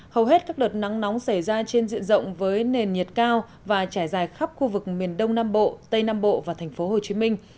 hầu hết các đợt nắng nóng xảy ra trên diện rộng với nền nhiệt cao và trải dài khắp khu vực miền đông nam bộ tây nam bộ và thành phố hồ chí minh